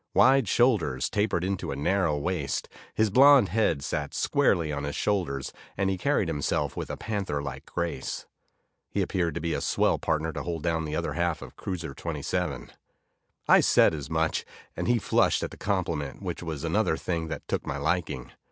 Wide shoulders tapered into a narrow waist, his blond head sat squarely on his shoulders, and he carried himself with a panther like grace. He appeared to be a swell partner to hold down the other half of cruiser 27. I said as much, and he flushed at the compliment, which was another thing that took my liking.